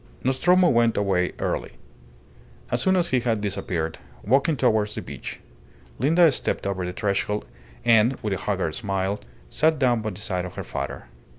Nostromo went away early. As soon as he had disappeared, walking towards the beach, Linda stepped over the threshold and, with a haggard smile, sat down by the side of her father.